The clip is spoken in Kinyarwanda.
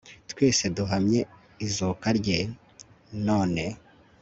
twese duhamye izuka rye, none